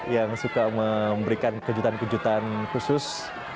yang suka memberikan kejutan kejutan khusus